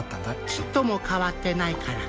ちっとも変わってないから。